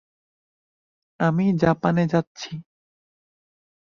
আমি জাপানে যাচ্ছি।